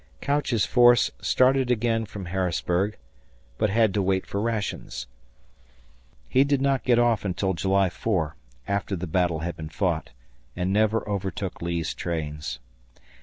Couch's force started again from Harrisburg, but had to wait for rations. He did not get off until July 4, after the battle had been fought, and never overtook Lee's trains.